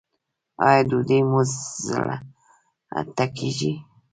ایا ډوډۍ مو زړه ته کیږي؟